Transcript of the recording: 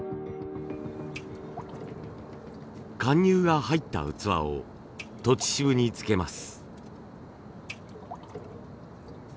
貫入が入った器を栃渋につけます。